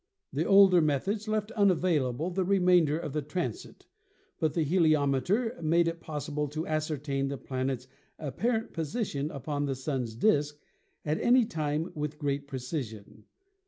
The older methods left unavailable the remainder of the transit, but the heliometer made it possible to ascertain the planet's apparent position upon the Sun's disk at any time with great precision.